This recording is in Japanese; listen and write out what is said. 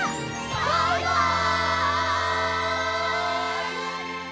バイバイ！